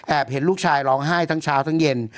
เห็นลูกชายร้องไห้ทั้งเช้าทั้งเย็น